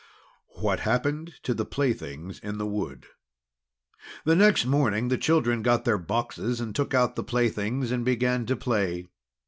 WHAT HAPPENED TO THE PLAYTHINGS IN THE WOOD The next morning, the children got their boxes and took out the playthings, and began to play.